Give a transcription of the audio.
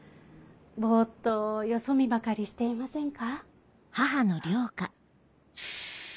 ボっとよそ見ばかりしていませんか？